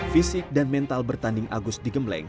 fisik dan mental bertanding agus digembleng